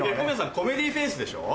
コメディーフェイスでしょ？